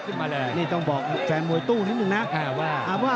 ที่นี่ต้องบอกแฟนมวยตู้นิดนึงนะ